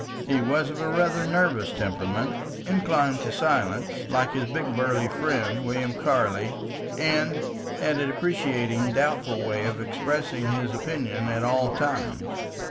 He was of a rather nervous temperament, inclined to silence, like his big burly friend, William Carley, and had a deprecating doubtful way of expressing his opinion at all times.